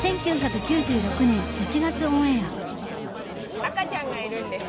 赤ちゃんがいるんです。